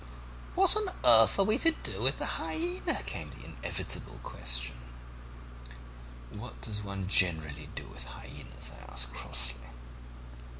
"'What on earth are we to do with the hyaena?' came the inevitable question. "'What does one generally do with hyaenas?' I asked crossly.